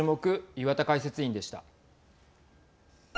岩田解説委員でした。